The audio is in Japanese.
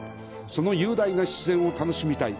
その雄大な自然を楽しみたい！